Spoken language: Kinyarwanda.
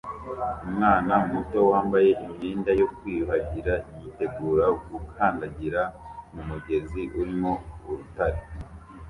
Umwana muto wambaye imyenda yo kwiyuhagira yitegura gukandagira mumugezi urimo urutare